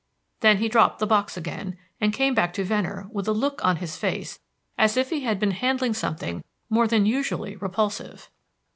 Then he dropped the box again, and came back to Venner with a look on his face as if he had been handling something more than usually repulsive.